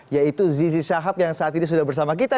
yaitu zizi syahab yang saat ini sudah bersama kita